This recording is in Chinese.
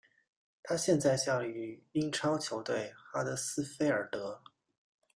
他现在效力于英超球队哈德斯菲尔德。